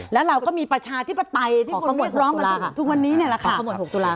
และเราก็มีประชาธิปไตยที่ผมเรียกร้องกันทุกวันนี้เนี่ยแหละค่ะ